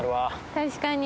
確かに。